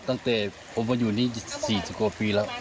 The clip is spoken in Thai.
ตั้งแต่ผมมาอยู่นี่๔๐กว่าปีแล้ว